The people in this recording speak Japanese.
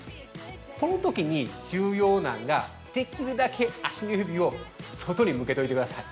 このときに重要なのが、できるだけ足の指を外に向けといてください。